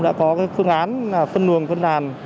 đã có phương án phân luồng phân đàn